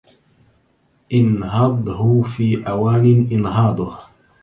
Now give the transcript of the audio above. أنهضه في أوان إنهاضه